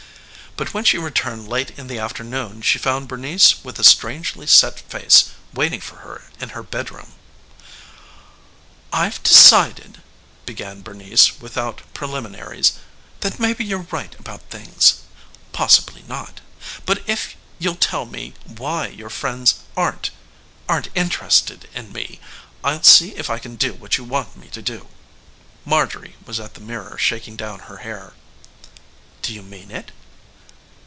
But when she returned late in the afternoon she found Bernice with a strangely set face waiting for her in her bedroom. "I've decided," began Bernice without preliminaries, "that maybe you're right about things possibly not. But if you'll tell me why your friends aren't aren't interested in me I'll see if I can do what you want me to." Marjorie was at the mirror shaking down her hair. "Do you mean it?"